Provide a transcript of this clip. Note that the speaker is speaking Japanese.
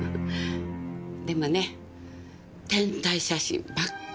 でもね天体写真ばっかり。